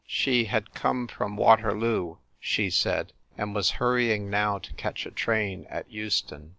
She had come from Waterloo, she said, and was hurrying now to catch a train at Euston.